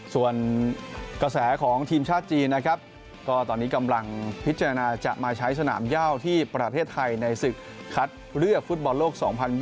ส่วนกระแสของทีมชาติจีนนะครับก็ตอนนี้กำลังพิจารณาจะมาใช้สนามย่าวที่ประเทศไทยในศึกคัดเลือกฟุตบอลโลก๒๐๒๐